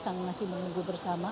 kami masih menunggu bersama